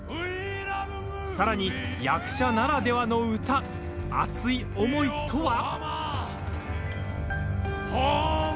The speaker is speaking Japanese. さらに、役者ならではの唄熱い思いとは。